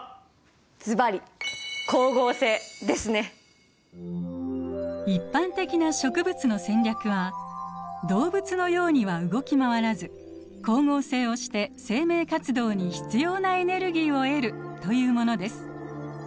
ずばり一般的な植物の戦略は動物のようには動き回らず光合成をして生命活動に必要なエネルギーを得るというものです。